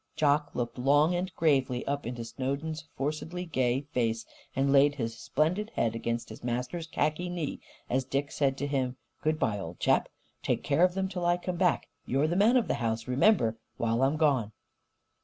Jock looked long and gravely up into Snowden's forcedly gay face; and laid his splendid head against his master's khaki knee as Dick said to him: "Good bye, old chap! Take care of them till I come back. You're the man of the house, remember, while I'm gone."